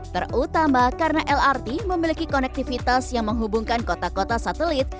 terutama karena lrt memiliki konektivitas yang menghubungkan kota kota satelit